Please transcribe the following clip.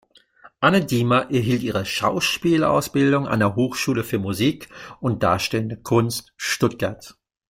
Anne Diemer erhielt ihre Schauspielausbildung an der Hochschule für Musik und Darstellende Kunst Stuttgart.